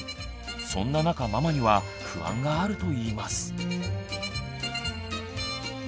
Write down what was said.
そんな中ママには不安があるといいます。